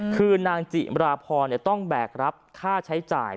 คือนางจิมราพรต้องแบกรับค่าใช้จ่าย